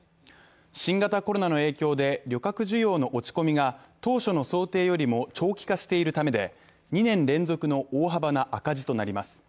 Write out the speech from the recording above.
新型コロナの影響で旅客需要の落ち込みが当初の想定よりも長期化しているためで、２年連続の大幅な赤字となります。